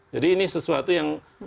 jadi ini sesuatu yang